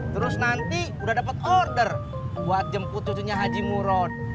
terus nanti udah dapet order buat jemput khususnya haji muron